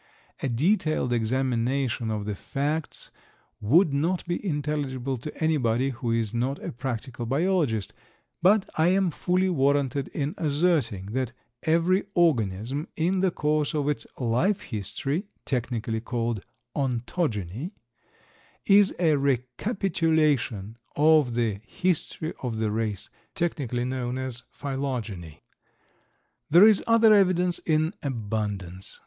A detailed examination of the facts would not be intelligible to anybody who is not a practical biologist; but I am fully warranted in asserting that every organism in the course of its life history (technically called ontogeny) is a recapitulation of the history of the race—technically known as phylogeny. There is other evidence in abundance.